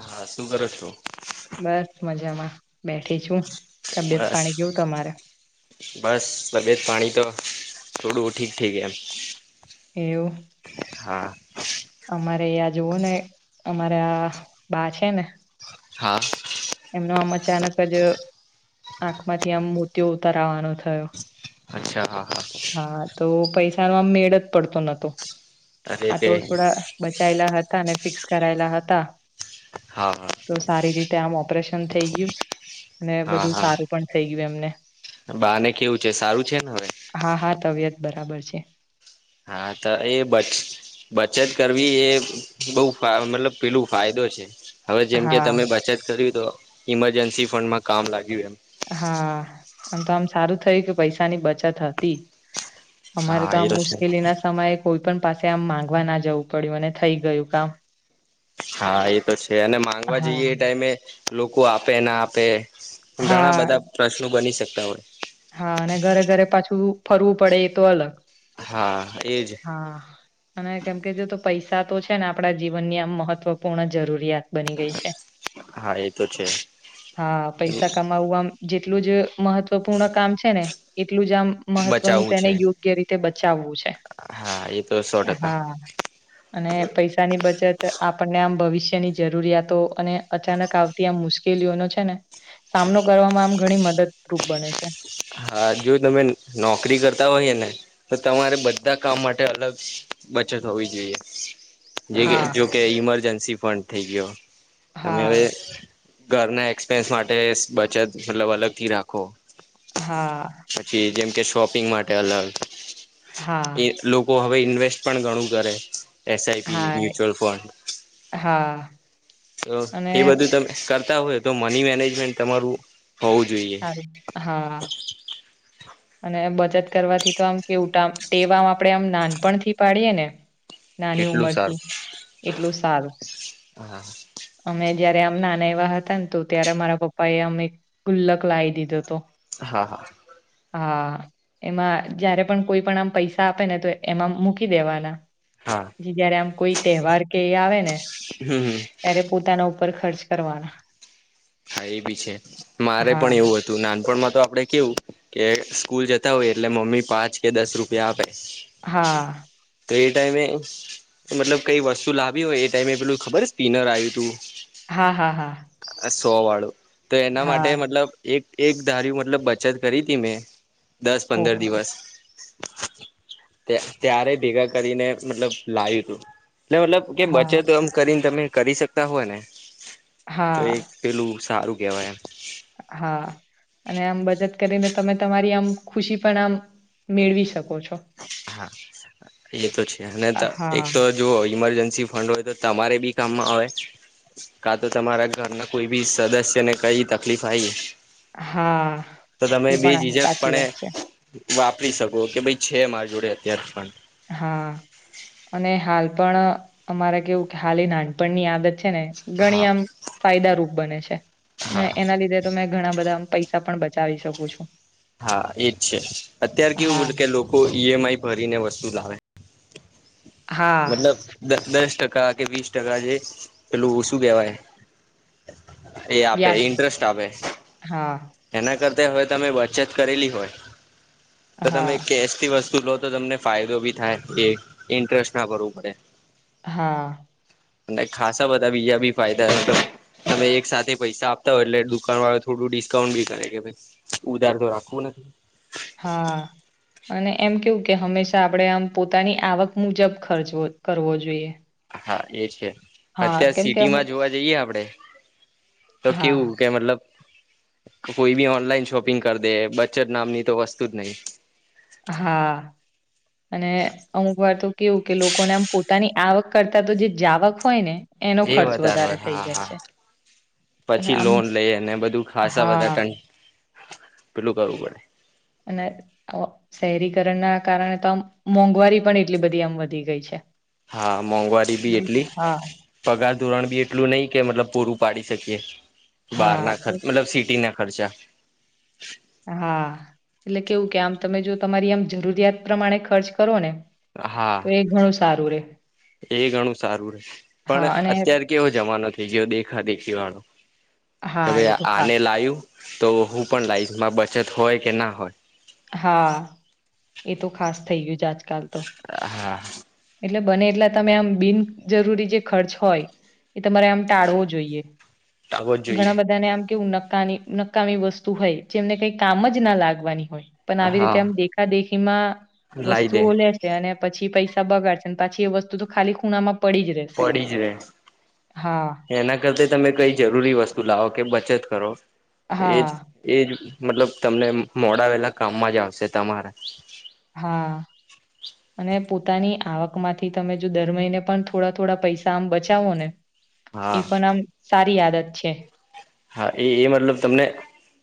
હા, શું કરો છો? બસ મજામાં, બેઠી છું. તબિયત બસ પાણી કેવું તમારે બસ તબિયત પાણી તો થોડું ઠીક-ઠીક એમ. એવું! હા. અમારે અહીયાં જુવોને અમારે આ બા છે ને હા. નો આમ અચાનક જ આંખમાંથી આમ મોતિયો ઉતારાવાનો થયો. અચ્છા હા હા. પૈસાનો આમ મેળ જ પડતો નતો અરે આ તો તે થોડા બચાયેલા હતા ને ફિક્સ કરાયેલા હતા હા હા તો સારી રીતે આમ ઓપ રેશન થઈ ગયું અને હા બધું હા સારું પણ થઈ ગયું એમને. બાને કેવું છે સારું છે ને હવે? હા હા તબિયત બરાબર છે. હા તો એ બચ બચત કરવી એ બઉ મતલબ પેલું ફાયદો છે હવે જેમ કે હા તમે બચત કરી તો ઈમરજન્સી ફંડમાં કામ લાગ્યું એમ. હા આમ તો આમ સારું થયું કે પૈસાની બચત હતી. અમારે તો હા એ આમ છે. મુશ્કેલી ના સમયે કોઈ પણ પાસે આમ માંગવા ના જવું પડ્યું અને થઈ ગયું કામ. હા એ તો છે અને માંગવા જઈએ હા. એ ટાઈમે લોકો આપે ના આપે ઘણા હા, બધા પ્રશ્નો બની શકતા હોય. હા અને ઘરે ઘરે પાછું ફરવું પડે એ તો અલગ હા એજ હા અને કેમકે જો પૈસા તો છે ને આપણા જીવનની આમ મહત્વપૂર્ણ જરૂરિયાત બની ગઈ છે. હા એ તો છે હા પૈસા કમાવવા જેટલું જ મહત્વપૂર્ણ કામ છે ને એટલું જ આમ મહત્વનું બચાવવું તેને છે યોગ્ય રીતે બચાવવું છે. હા એ તો સો ટકા હા અને પૈસાની બચત આપણને આમ ભવિષ્યની જરૂરિયાતો અને અચાનક આવતી આમ મુશ્કેલીઓનો છે ને સામનો કરવામાં આમ ઘણી મદદરૂપ બને છે. હા જો તમે નોકરી કરતા હોઈએ ને તો તમારે બધા કામ માટે અલગ બચત હોવી જોઈએ. જે હા, જોકે ઈમરજન્સી પણ થઈ ગયો તમે હવે હા, ઘરના એક્સપેન્સ માટે બચત મતલબ અલગથી રાખો. હા, પછી જેમ કે શોપિંગ માટે અલગ એ હા, લોકો હવે ઇન્વેસ્ટ પણ ઘણું કરે. એસ આઈ પી, હા, મ્યુચ્યુઅલ ફંડ હા તો અને એ બધું તમે કર તા હોય તો મની મેનેજમેન્ટ તમારું હોવું જોઈએ. સારું હા. અને બચત કરવાથી તો આમ કેવા ટેવા આમ આપણે આમ નાનપણથી પાડીયેને નાની એટલું ઉમરથી સારું એટલું સારું હા અમે જયારે આમ નાના એવા હતા ને તો ત્યારે મારા પપ્પા એ આમ એક ગુલ્લક લાઈ દીધો હતો. હા હા. હા એમાં જયારે પણ કોઈ પણ આમ પૈસા આપે ને તો એમાં મૂકી દેવાના. હા જયારે આમ કોઈ તહેવાર કે એ આવેને હમ ત્યારે પોતાના ઉપર ખર્ચ કરવાના. હા એ બી છે મારે હા પણ એવું હતું નાનપણમાં તો આપડે કેવું કે સ્કૂલ જતા હોય એટલે મમ્મી પાંચ કે દસ રૂપિયા આપે. હા. તો એ ટાઈમે મતલબ કઈ વસ્તુ લાવી હોય એ ટાઈમે પેલું ખબર સ્પિનર આયુ તું? હા, હા, હા. સો વાળું તો, એના માટે હા મતલબ એક એક ધાર્યું મતલબ બચત કરી હતી મેં. દસ-પંદર ઓહો દિવસ. ત્યારે ભેગા કરીને મતલબ લાવ્યું હતું. મતલબ કે, હા બચત આમ કરીને તમે કરી શકતા હોય ને? હા. હું, સારું કહેવાય એમ. હા, અને આમ બચત કરીને તમે તમારી આમ ખુશી પણ આમ મેળવી શકો છો. હા. એ તો છે, અને એક હા તો જોઓ ઈમરજન્સી ફંડ હોય તો તમારે બી કામમાં આવે, કા તો તમારા ઘરના કોઈ બી સદસ્ય ને કંઈ તકલીફ આવી. હા તો તમે એ પણ આમ બેજીજક સાચી પણે વાત છે વાપરી શકો કે, ભાઈ, છે મારી જોડે અત્યારે પણ. હા, અને હાલ પણ અમારે કેવું કે, હાલ એ નાનપણની આદત. છે ને, ગણી આમ ફાયદારૂપ બને છે, અને એના લીધે તમે ઘણા બધા પૈસા પણ બચાવી શકું છું. હા, એજ છે. અત્યાર હા કેવું કે, લોકો ઈએમઆઈ ભરીને વસ્તુ લાવે. હા મતલબ, દસ ટકા કે વીસ ટકા, જે પેલું શું કેવાય? એ આપે, વ્યાજ ઇન્ટરેસ્ટ આપે હા એના કરતા. હવે, તમે બચત કરેલી હોય, તો તમે હા કેશ થી વસ્તુ. લો તો તમને ફાયદો બી થાય, એ ઇન્ટરેસ્ટ ના ભરવું પડે. હા. અને ખાસા બધા બીજા બી ફાયદા તો તમે એક સાથે પૈસા આપતા હો, એટલે દુકાન વાળો થોડું ડિસ્કાઉન્ટ બી કરે કે, ભાઈ, ઉધાર તો રાખવો ને! હા. અને એમ કેવું કે, હંમેશા આપણે આમ પોતાની આવક મુજબ ખર્ચવો કરવો જોઈએ. હા, એ છે. હા અત્યારે કેમ કે સિટી માં અમુક જોવા જઈએ આપડે. તો હા કેવું કે, મતલબ કોઈ બી ઓનલાઈન શોપિંગ કરી દે, બચત નામની તો વસ્તુ જ નહી. હા. અને અમુક વાર તો કેવું કે, લોકોને આમ પોતાની આવક કરતા તો જે જાવક હોય ને. એનો એ ખર્ચ વધારે હોય થઇ હા જાય હા છે. અને પછી આમ લોન લઈ, અને બધું ખાસા બધા, હા ટન પેલું કરવું પડે. અને શહેરીકરણના કારણે તો, આમ મોંઘવારી પણ એટલી બધી આમ વધી ગઈ છે. હા, મોંઘવારી બી એટલી, હા. પગાર ધોરણ બી એટલું નહીં કે, મતલબ પૂરું. ઉપડી શકીએ બહાર હા ના, તો મતલબ સિટીના ખર્ચા. હા, એટલે કેવું કે, આમ તમે જો તમારી આમ જરૂરિયાત પ્રમાણે ખર્ચ કરો ને હા તો એ ઘણું સારું રે. એ ઘણું સારું રહે, પણ હા અને અત્યાર કેવો જમાનો થઈ ગયો કે, દેખા દેખી વાળો. કે, હા એ ભાઈ, તો ખા આને લાવું તો હું પણ લાવીશ, બચત હોય કે ના હોય. હા, એ તો ખાસ થઈ ગયું આજકાલ. તો. હા. એટલે બને એટલા, તમે આમ બિનજરૂરી જે ખર્ચ હોય, એ તમારે આમ ટાળવો જોઈએ. આવો જ જોઈએ ઘણા બધાને આમ કે નકામી વસ્તુ હોય, જેમને કંઈ કામ જ ના લાગવાની હોય. પણ આવી હા રીતે આમ દેખાદેખી માં લાઈ દે વસ્તુઓ લેશે, અને પછી પૈસા પૈસા બગાડે છે, પાછી એ વસ્તુ તો ખાલી ખૂણામાં પડી જ રહેશે. પડી જે રહે. હા, એના કરતા, તમે કંઈ જરૂરી વસ્તુ લાવો કે બચત કરો. એજ હા, એજ મતલબ તમને મોળા વેલા કામમાં જ આવશે તમારા. હા. અને પોતાની આવકમાંથી તમે જો દર મહિને પણ થોડા થોડા પૈસા આમ બચાવો ને એ હા પણ આમ સારી આદત છે. હા, એ એ મતલબ તમને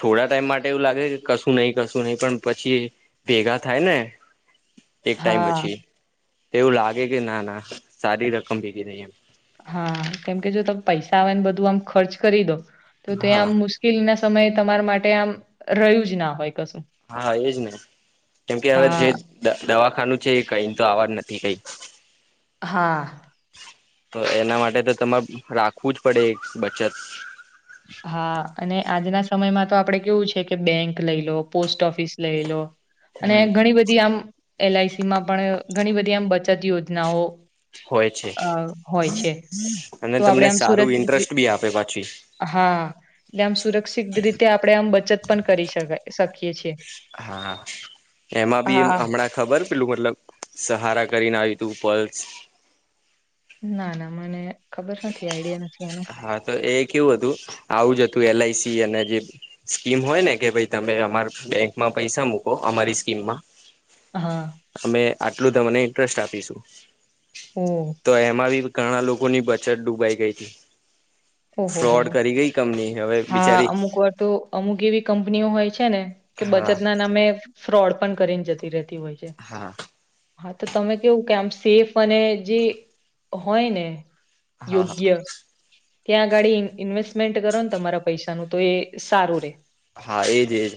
થોડા ટાઈમ માટે એવું લાગે કે કશું નહી કશું નહી પણ પછી ભેગા થાય ને એક ટાઈમ હા, પછી તેવું લાગે કે ના ના સારી રકમ ભેગી થઈ એમ. હા કેમકે જો તમે પૈસા આવે ને બધું આમ ખર્ચ કરી દો તો ત્યાં હા આમ મુશ્કેલી ના સમય તમારા માટે આમ રહ્યું જ ના હોય. કશું. હા એજ ને કેમકે હવે હા જે દવા ખાનું છે કઈ તો આવાનુ નથી કઈ. હા. તો એના માટે તો તમારે રાખવું જ પડે એક બચત. હા અને આજના સમયમાં તો આપડે કેવું છે કે બેંક લઈ લો, પોસ્ટ ઓફિસ લઈ લો અને ઘણી બધી આમ એલ આઈ સી માં પણ ઘણી બધી આમ બચત યોજનાઓ હોય છે અ હોય છે અને તો આપડે તમને આમ સારું સુરક્ષિત રી ઇન્ટરેસ્ટ બી આપે પાછી. હા એટલે આમ સુરક્ષિત રીતે આપણે આમ બચત પણ કરી શકીએ છીએ. હા એમાં બી એ હા હમણાં ખબર પેલું મતલબ સહારા કરીને આવી તુ પલ્સ. ના ના મને ખબર નથી, આઈડિયા નથી. એનો હા તો એ કેવું હતું આવું જ હતું એલ આઈ સી અને જે સ્કીમ હોય ને કે ભઈ તમે અમાર બેંકમાં પૈસા મૂકો અમારી સ્કીમમાં. હા. અમે આટલું તમને ઇન્ટરેસ્ટ આપીશું, ઓહ તો એમાં બી ઘણા લોકો ની બચત ડૂબાઈ ગઈ હતી. ઓહો હો ફ્રોડ હો, કરી ગઈ કંપની હવે હા બિચારી અમુક વાર તો અમુક એવી કંપનીઓ હોય છે ને કે હા બચત ના નામે ફ્રોડ પણ કરીને જતી રહેતી હોય છે. હા હા તો તમે કેવું કે આમ સેફ અને જે હોય ને હા યોગ્ય ત્યાં અગાડી ઇન્વેસ્ટમેન્ટ કરો ન તમારા પૈસાનું તો એ સારું રે. હા, એજ એજ.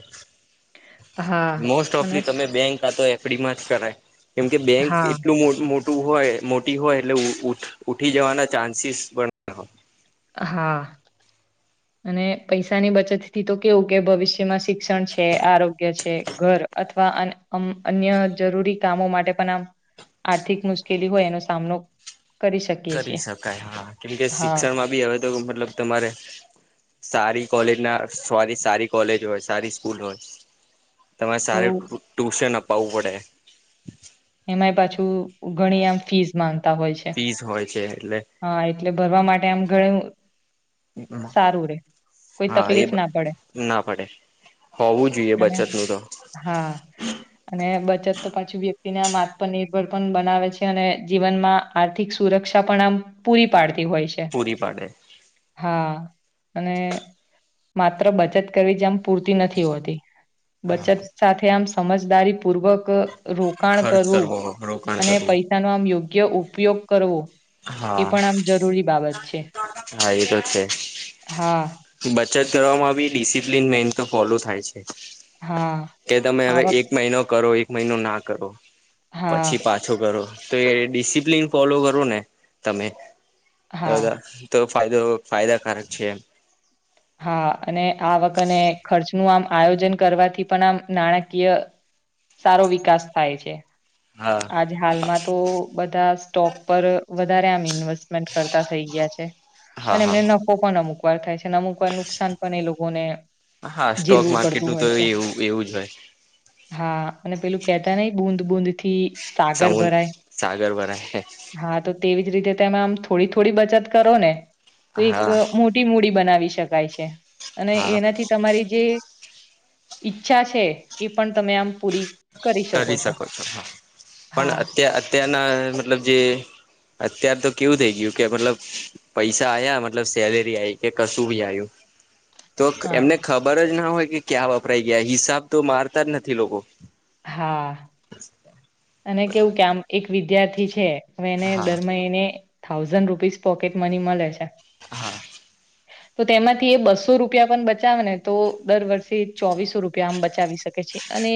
હા મોસ્ટ અને ઓફલી તમે બેંક કા તો એફડીમાં જ કરાય. કેમકે બેંક હા એટલું મો મો ટું હોય મોટી હોય એટલે ઉ ઉઠ ઉઠી જવાના ચાન્સીસ પણ ના હોય. હા, અને પૈસાની બચત થી તો કેવું કે ભવિષ્ યમાં શિક્ષણ છે, આરોગ્ય છે, ઘર અથવા અન અમ્મ અન્ય જરૂરી કામો માટે પણ આમ આર્થિક મુશ્કેલી હોય એનો સામનો કરી શકીએ કરી છીએ શકાય હા. કેમકે હા શિક્ષણમાં બી હવે તો મતલબ તમારે સારી કોલેજ ના સોરી સારી કોલેજ હોય સારી સ્કૂલ હોય. તમારે તો સારી ટુશન અપાવું પડે. એમાય પાછું ઘણી આમ ફીઝ માંગ ફીઝ હોય છે. એટલે હા, એટલે ભરવા માટે આમ ઘણુ હા સારું રે, કોઈ એ તકલીફ ના પડે. ના પડે હોવું જોઈએ અને બચત નું તો હા, અને બચત તો પાછું બી તેને આમ આત્મનિર્ભર પણ બનાવે છે અને જીવનમાં આર્થિક સુરક્ષા પણ આમ પૂરી પાડ તી હોય છે. પૂરી પાડે હા અને માત્ર બચત કરવી જ આમ પૂરતી નથી હોતી. બચત હા સાથે આમ સમજદારી પૂર્વક રોકાણ ખર્ચ કરવું કરવો રોકાણ અને કરવું પૈસા નુ આમ યોગ્ય ઉપયોગ કરવો એ હા પણ આમ જરૂરી બાબત છે હા એ હા. ચચરાવો મા બી ડિસિપ્લિન મેઇન તો ફોલો થાય છે. હા કે તમે હવે આવક એક મહિનો કરો એક મહિનો ના કરો. હા પછી પાછો કરો તો એ ડિસિપ્લિન ફોલો કરો ને તમે. હા દા તો ફાયદો ફાયદાકારક છે એમ. હા અને આવક ને ખર્ચનું આમ આયોજન કરવાથી પણ આમ નાણાકીય સારો વિકાસ થાય છે. હા આજ હાલમાં તો બધા સ્ટોપ પર વધારે આમ ઇનવશ મેન્ટ કરતાં થઈ ગયા છે હા અને હા મેન લોકો અમુકવાર થાય છે. અમુકવાર નુકસાન પણ એ લોકોને હા સ્ટોક ઝીલવું પડતું માર્કેટનું તો હોય છે. એવું એવું જ હોય હા અને પેલું કેતા નહિ બુંદ બુંદ થી. સાગર સમુદ્ર ભરાય સાગર ભરાય હા તો તે. રીતે તેમ આમ થોડી થોડી બચત કરો ને તો એક હા મોટી મૂડી બનાવી શકાય છે અને હા એનાથી તમારી જે. ઈચ્છા છે એ પણ તમે આમ પૂરી કરી શકો છો હા. પણ હા. અત્ય અત્યારના મતલબ જે અત્યાર તો કેવું થઈ ગયું કે મતલબ પૈસા આયા મતલબ સેલેરી આવી કે કશું ભી આવ્યું તો હા એમને ખબર જ ના હોય કે ક્યાં વપરાય ગયા હિસાબ તો મારતા જ નથી લોકો હા. અને કેવું કે આમ એક વિદ્યાર્થી છે હવે એને હા દર મહિને થાઉઝન્ડ રૂપીઝ પોકેટ મની મલે છે. હા તો તેમાંથી એ બસો રૂપિયા પણ બચાવે ને તો દર વર્ષે ચોવીસો રૂપિયા આમ બચાવી શકે શકે છે અને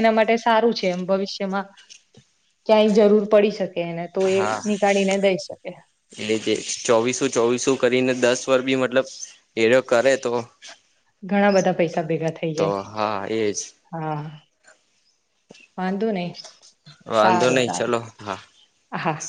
એના માટે સારું છે એમ ભવિષ્યમાં ક્યાંય જરૂર પડી શકે એને તો એ હા નીકાળીને દઈ શકે. એ જે ચોવીસું ચોવીસું કરીને દસ વર બી મતલબ એડો કરે તો ઘણા બધા પૈસા ભેગા થઈ તો જાય હા એજ હા. વાંધો નઈ. વાંધો સારું નહી સારું ચલો હા હા હા.